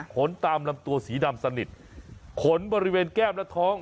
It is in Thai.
ตามลำตัวสีดำสนิทขนบริเวณแก้มและท้อง